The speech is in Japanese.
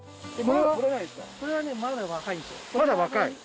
まだ若い？